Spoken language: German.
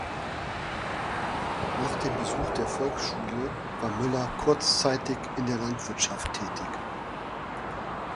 Nach dem Besuch der Volksschule war Müller kurzzeitig in der Landwirtschaft tätig.